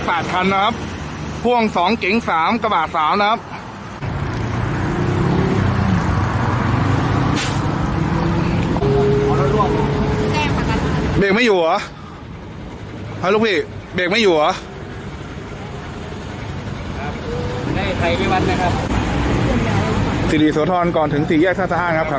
ใครไม่วัดนะครับสิริสวทรก่อนถึงสี่แยกสั้นสะห้างครับ